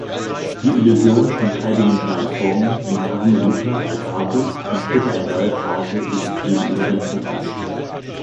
Die Illusion von dreidimensionalen Formen im Karmeliter-Altarbild markiert eine neue Phase im Stil Lorenzettis.